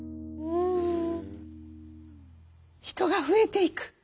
人が増えていく。